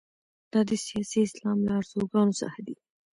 دا د سیاسي اسلام له ارزوګانو څخه دي.